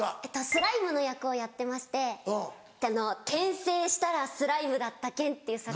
スライムの役をやってまして『転生したらスライムだった件』っていう作品。